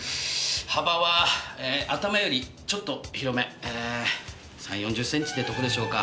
幅は頭よりちょっと広め３０４０センチってとこでしょうか。